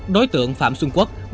đối tượng phạm xuân quốc bị phá hủy